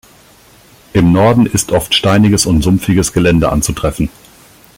Im Norden ist oft steiniges und sumpfiges Gelände anzutreffen.